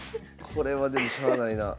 これはでもしゃあないな。